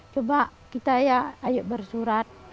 coba kita ya ayo bersurat